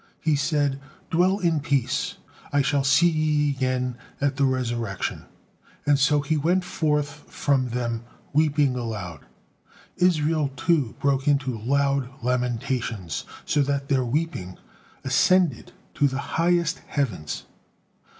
He said: "Dwell in peace, I shall see ye again at the Resurrection," and so he went forth from them, weeping aloud. Israel, too, broke into loud lamentations, so that their weeping ascended to the highest heavens.